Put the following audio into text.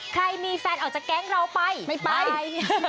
ใครมีแฟนออกจากแก๊งเราไปไม่ไป